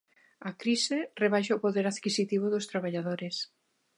A crise rebaixa o poder adquisitivo dos traballadores.